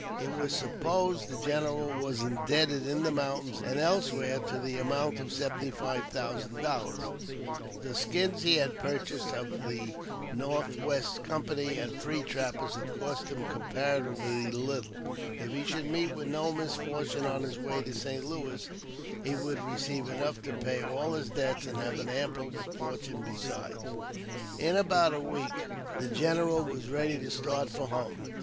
It was supposed the general was indebted in the mountains and elsewhere to the amount of $75,000. The skins he had purchased of the North west Company and free trappers had cost him comparatively little ; 80 AUTOBIOGEAPHY OF if he should meet with no misfortune on his way to St. Louis^ he would receive enough to pay all his debts, and have an ample fortune besides. In about a week the general was ready to start for home.